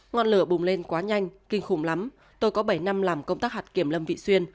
ngọn lửa bùng lên quá nhanh kinh khủng lắm tôi có bảy năm làm công tác hạt kiểm lâm vị xuyên